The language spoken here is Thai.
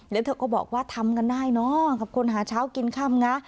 แล้วเธอก็บอกว่าทำกันได้เนอะกับคนหาเช้ากินค่ำนะ